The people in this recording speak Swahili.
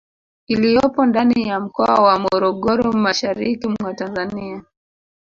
Iliyopo ndani ya Mkoa wa Morogoro mashariki mwa Tanzania